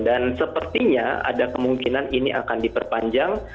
dan sepertinya ada kemungkinan ini akan diperpanjang